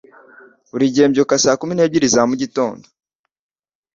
Buri gihe mbyuka saa kumi n'ebyiri za mu gitondo.